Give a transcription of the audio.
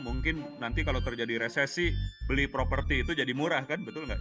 mungkin nanti kalau terjadi resesi beli properti itu jadi murah kan betul nggak